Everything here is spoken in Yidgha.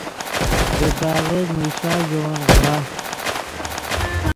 دے کاغذ نوشا ژے ون غورا